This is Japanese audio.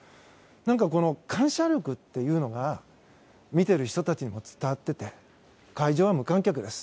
この感謝力っていうのが見ている人たちに伝わっていて会場は無観客です。